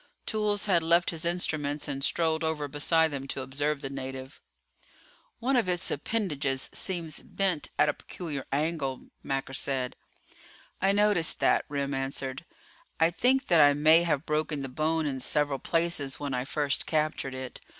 Toolls had left his instruments and strolled over beside them to observe the native. "One of its appendages seems bent at a peculiar angle," Macker said. "I noticed that," Remm answered. "I think that I may have broken the bone in several places when I first captured it.